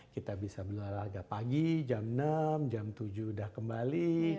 kita bisa berolahraga pagi jam enam jam tujuh udah kembali